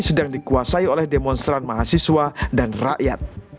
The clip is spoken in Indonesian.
sedang dikuasai oleh demonstran mahasiswa dan rakyat